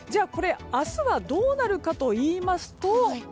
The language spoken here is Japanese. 明日はどうなるかといいますと。